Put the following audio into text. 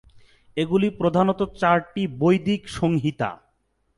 এগুলি প্রধানত চারটি বৈদিক সংহিতা।